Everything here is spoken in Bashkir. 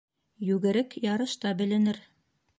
Йүгерек ярышта беленер.